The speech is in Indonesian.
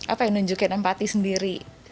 apa yang nunjukin empati sendiri